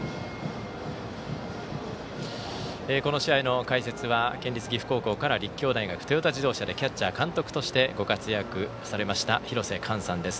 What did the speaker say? この試合の解説は県立岐阜高校から立教大学トヨタ自動車でキャッチャー監督としてご活躍されました廣瀬寛さんです。